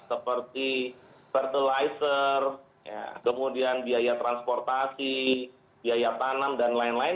seperti fertilizer kemudian biaya transportasi biaya tanam dan lain lain